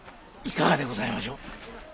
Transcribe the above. いかがでございましょう？